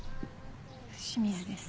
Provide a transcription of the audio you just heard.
清水です。